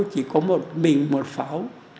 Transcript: chỉ có một mình một pháo